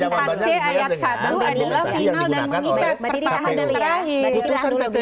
pasal dua puluh empat c ayat satu adalah final dan mengikat pertahanan terakhir